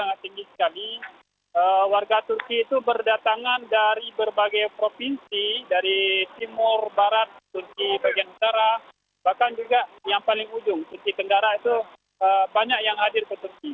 sangat tinggi sekali warga turki itu berdatangan dari berbagai provinsi dari timur barat turki bagian utara bahkan juga yang paling ujung turki tenggara itu banyak yang hadir ke turki